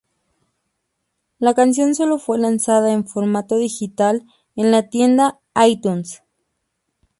La canción solo fue lanzada en formato digital en la tienda iTunes.